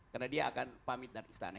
karena dia akan pamit dari istana